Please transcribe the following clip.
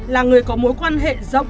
là người có mối quan hệ rộng